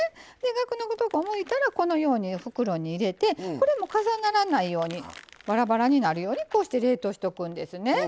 ガクのとこをむいたらこのように袋に入れてこれも重ならないようにバラバラになるようにこうして冷凍しとくんですね。